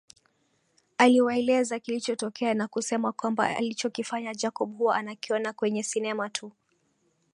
Aliwaeleza kilichotokea na kusema kwamba alichokifanya Jacob hua anakiona kwenye sinema tu